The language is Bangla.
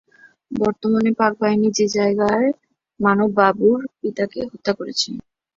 বর্তমানে পাকবাহিনী যে জায়গায় মানব বাবুর পিতাকে হত্যা করেছে।